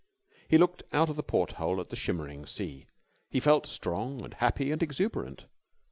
He looked out of the porthole at the shimmering sea. He felt strong and happy and exuberant.